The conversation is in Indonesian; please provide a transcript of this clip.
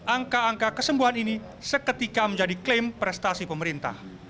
angka angka kesembuhan ini seketika menjadi klaim prestasi pemerintah